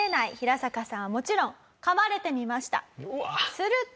すると。